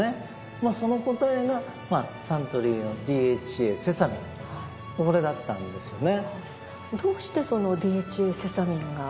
まあその答えがサントリーのＤＨＡセサミンこれだったんですよね。